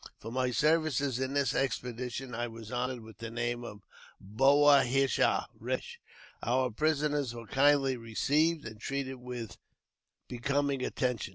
For my services in this expedi . tion I was honoured with the name of Boah hish a (Ked Fish). Our prisoners were kindly received, and treated with becoming attention.